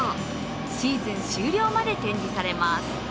シーズン終了まで展示されます。